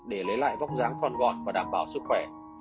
để lấy lại vóc dáng thoản gọn và đảm bảo sức khỏe